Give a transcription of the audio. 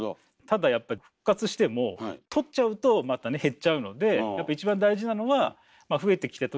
ただやっぱり復活しても取っちゃうとまたね減っちゃうのでやっぱ一番大事なのはちょっと我慢する。